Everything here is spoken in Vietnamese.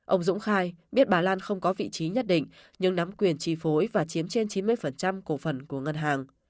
ông dũng khai biết bà lan không có vị trí nhất định nhưng nắm quyền chi phối và chiếm trên chín mươi cổ phần của ngân hàng